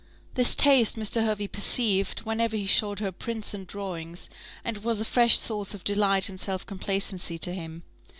This taste Mr. Hervey perceived, whenever he showed her prints and drawings, and it was a fresh source of delight and self complacency to him.